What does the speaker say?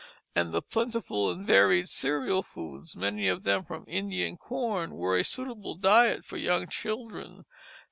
And the plentiful and varied cereal foods, many of them from Indian corn, were a suitable diet for young children.